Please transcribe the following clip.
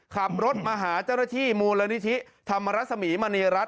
ขับรถมาหาเจ้าหน้าที่มูลนิธิธรรมรสมีมณีรัฐ